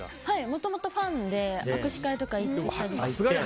もともとファンで握手会とか行ってたりして。